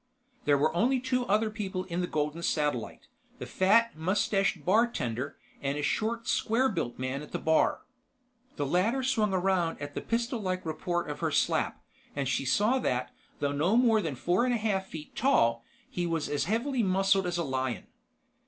There were only two other people in the Golden Satellite: the fat, mustached bartender and a short, square built man at the bar. The latter swung around at the pistol like report of her slap, and she saw that, though no more than four and a half feet tall, he was as heavily muscled as a lion.